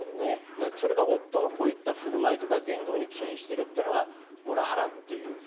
それが夫のこういった振る舞いや言動に起因しているのがモラハラという。